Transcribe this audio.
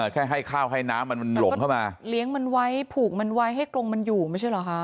แค่ให้ข้าวให้น้ำมันมันหลงเข้ามาเลี้ยงมันไว้ผูกมันไว้ให้กรงมันอยู่ไม่ใช่เหรอคะ